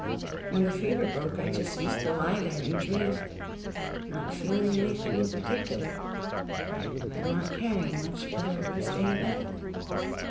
When the fever broke I just used to lie there and dream, not feeling anything in particular, and not caring much whether it was day or night.